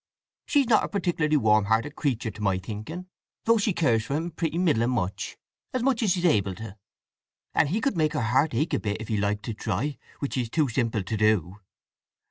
She's not a particular warm hearted creature to my thinking, though she cares for him pretty middling much—as much as she's able to; and he could make her heart ache a bit if he liked to try—which he's too simple to do.